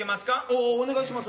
ああお願いします。